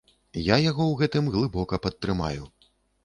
Я яго ў гэтым глыбока падтрымаю.